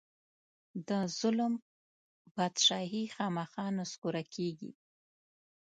د ظلم بادچاهي خامخا نسکوره کېږي.